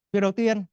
việc đầu tiên